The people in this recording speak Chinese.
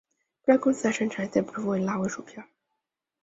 布莱公司还生产一系列不同风味的辣味薯片。